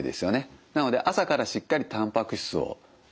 なので朝からしっかりたんぱく質をとりましょうと。